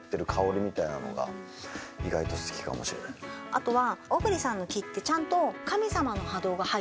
あとは。